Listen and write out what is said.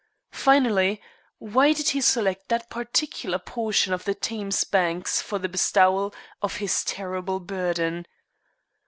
Finally, why did he select that particular portion of the Thames banks for the bestowal of his terrible burden?